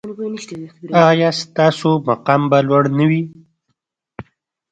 ایا ستاسو مقام به لوړ نه وي؟